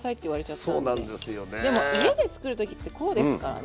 でも家で作る時ってこうですからね。